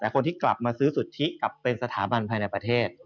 แต่คนที่กลับมาซื้อสุทธิกลับเป็นสถาบันภายในประเทศ